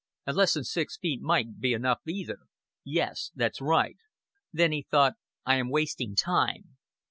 An' less than six feet mightn't be enough either. Yes, that's right." Then he thought: "I am wasting time."